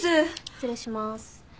失礼します。